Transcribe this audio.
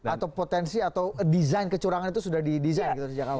atau potensi atau desain kecurangan itu sudah didesain gitu sejak awal